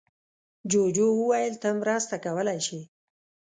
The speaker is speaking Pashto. جوجو وویل ته مرسته کولی شې.